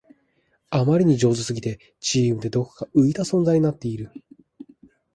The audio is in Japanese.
あまりに上手すぎてチームでどこか浮いた存在になっている